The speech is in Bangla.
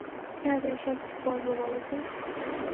কীভাবে এসব বলব বলো তো?